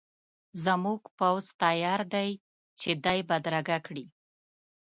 زموږ پوځ تیار دی چې دی بدرګه کړي.